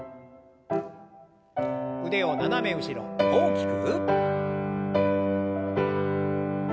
腕を斜め後ろ大きく。